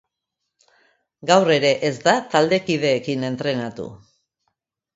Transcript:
Gaur ere ez da taldekideekin entrenatu.